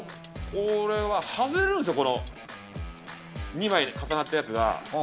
これは外れるんですよ、この２枚重なったやつが。